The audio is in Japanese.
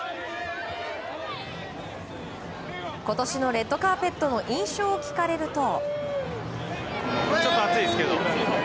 今年のレッドカーペットの印象を聞かれると。